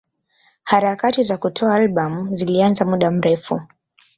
Harakati za kutoa albamu zilianza muda mrefu.